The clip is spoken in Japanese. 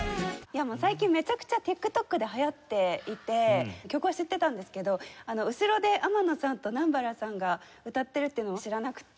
最近めちゃくちゃＴｉｋＴｏｋで流行っていて曲は知っていたんですけど後ろで天野さんと南原さんが歌っているっていうのを知らなくて。